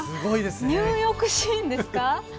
入浴シーンですか。